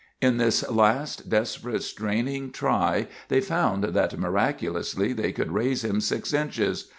In this last, desperate straining try they found that miraculously they could raise him six inches.